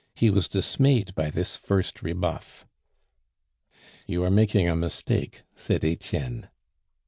He was dismayed by this first rebuff. "You are making a mistake," said Etienne.